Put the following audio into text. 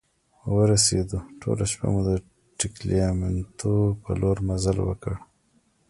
ورسیدو، ټوله شپه مو د ټګلیامنتو په لور مزل وکړ.